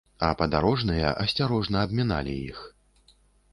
А падарожныя асцярожна абміналі іх.